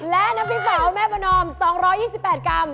และน้ำพริกเผาแม่ประนอม๒๒๘กรัม